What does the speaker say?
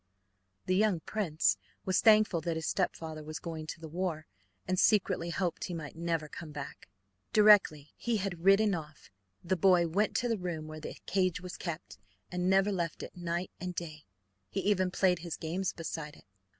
The young prince was thankful that his stepfather was going to the war, and secretly hoped he might never come back. Directly he had ridden off the boy went to the room where the cage was kept, and never left it night and day. He even played his games beside it.